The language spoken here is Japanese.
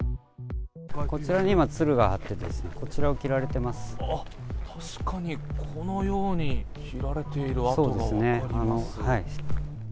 こちらに今、つるがあって、確かに、このように切られている跡が分かりますね。